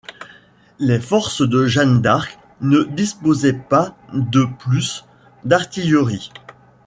Les forces de Jeanne d'Arc ne disposaient pas, de plus, d'artillerie.